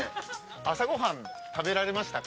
朝ご飯、食べられましたか？